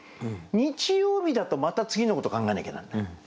日曜日だとまた次のこと考えなきゃなんない。